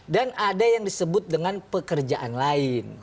dan ada yang disebut dengan pekerjaan lain